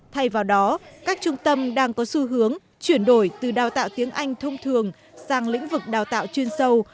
thay vào đó các trung tâm đang có xu hướng chuyển đổi từ đào tạo tiếng anh thông thường sang lĩnh vực đào tạo chuyên sâu